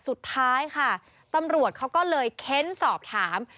สุดท้ายค่ะตำรวจเขาก็เลยเค้นสอบถาม